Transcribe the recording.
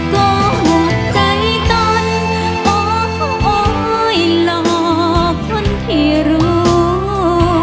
ก็ถูกใจตนบอกโอ้ยหลอกคนที่รู้